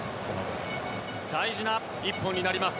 大事な１本になります。